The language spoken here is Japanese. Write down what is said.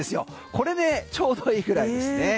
これでちょうどいいぐらいですね。